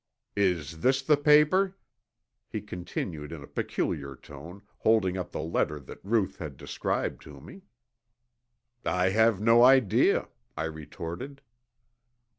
"Is this the paper?" he continued in a peculiar tone, holding up the letter that Ruth had described to me. "I have no idea," I retorted.